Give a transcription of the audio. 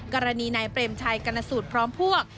กรณีนายเปรมชัยกรณสูตรพร้อมพวก